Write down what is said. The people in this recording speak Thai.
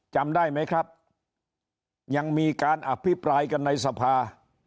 จำได้ไหมครับยังมีการอภิปรายกันในสภา